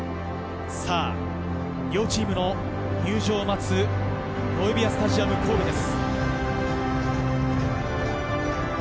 両チームの入場を待つノエビアスタジアム神戸です。